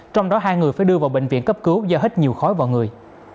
trong đó hai người phải đưa vào bệnh viện cấp cứu do hết nhiều khói vào người